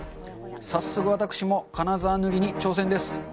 早速、僕も金沢塗りに挑戦です。